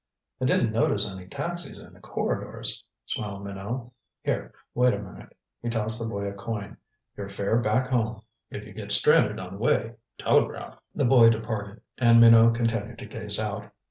"I didn't notice any taxis in the corridors," smiled Minot. "Here wait a minute." He tossed the boy a coin. "Your fare back home. If you get stranded on the way, telegraph." The boy departed, and Minot continued to gaze out.